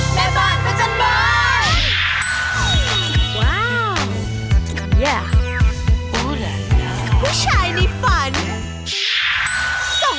แม่บ้านประจำบาน